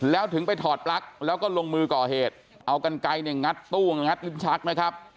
แล้วถึงไปถอดปลั๊กแล้วก็ลงมือก่อเหตุเอากันไกลเนี่ยงัดตู้งัดลิ้นชักนะครับ